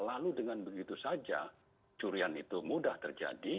lalu dengan begitu saja curian itu mudah terjadi